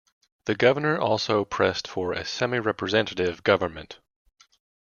The governor also pressed for a semi-representative government.